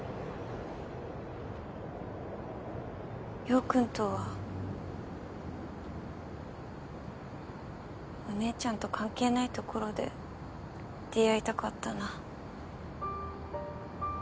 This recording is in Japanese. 陽君とはお姉ちゃんと関係ないところで出会いたかったな。